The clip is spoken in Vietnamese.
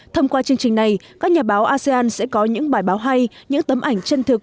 thông qua chương trình này các nhà báo asean sẽ có những bài báo hay những tấm ảnh chân thực